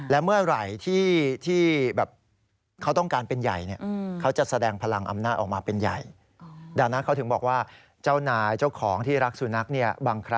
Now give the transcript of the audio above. และเมื่อไหร่ที่เขาต้องการเป็นใหญ่